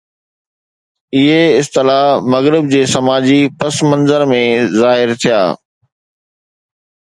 اهي اصطلاح مغرب جي سماجي پس منظر ۾ ظاهر ٿيا.